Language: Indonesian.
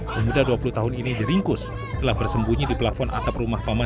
pemuda dua puluh tahun ini diringkus setelah bersembunyi di pelafon atap rumah paman